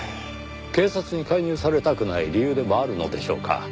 警察に介入されたくない理由でもあるのでしょうか。